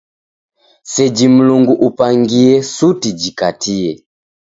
Seji Mlungu upangie suti jikatie.